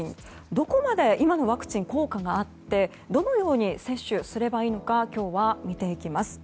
どこまで今のワクチン効果があってどのように接種すればいいのか今日は見ていきます。